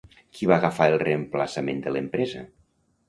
Qui va agafar el reemplaçament de l'empresa?